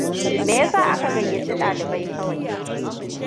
Meyasa aka gayyaci dalibai kawai?